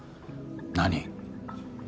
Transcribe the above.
何？